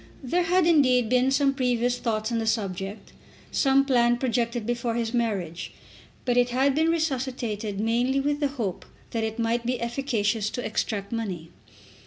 There had, indeed, been some previous thoughts on the subject, some plan projected before his marriage; but it had been resuscitated mainly with the hope that it might be efficacious to extract money.